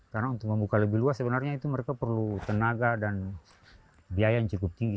karena untuk membuka lebih luas sebenarnya itu mereka perlu tenaga dan biaya yang cukup tinggi